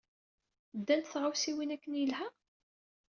Ddant tɣawsiwin akken yelha?